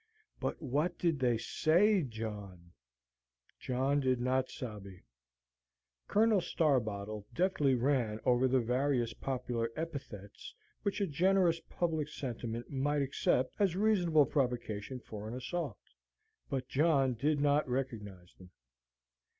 "But what did they SAY, John?" John did not sabe. Colonel Starbottle deftly ran over the various popular epithets which a generous public sentiment might accept as reasonable provocation for an assault. But John did not recognize them.